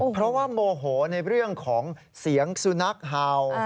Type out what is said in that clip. เพราะว่าโมโหในเรื่องของเสียงสุนัขเห่า